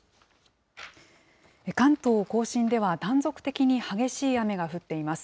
関東甲信では断続的に激しい雨が降っています。